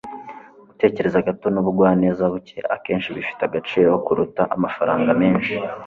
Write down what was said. gutekereza gato n'ubugwaneza buke akenshi bifite agaciro kuruta amafaranga menshi